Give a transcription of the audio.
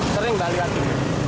sering balik lagi